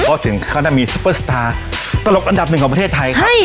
เพราะถึงเขาจะมีซุปเปอร์สตาร์ตลกอันดับหนึ่งของประเทศไทยครับ